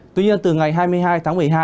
tuy nhiên từ ngày hai mươi hai tháng một mươi hai